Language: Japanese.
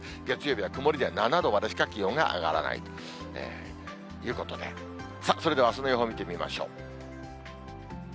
月曜日は曇りで、７度までしか気温が上がらないということで、それではあすの予報を見てみましょう。